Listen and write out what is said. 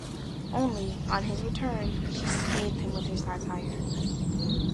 Only, on his return, she scathed him with her satire.